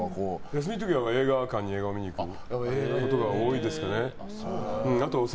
休みの時は映画館に映画を見に行くことが多いです。